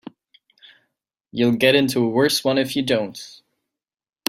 You'll get into a worse one if you don't.